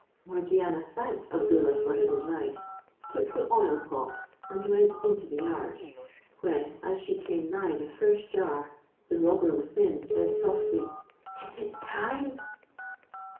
Morgiana thanked Abdoollah for his advice, took the oil pot, and went into the yard; when as she came nigh the first jar, the robber within said softly, "Is it time?"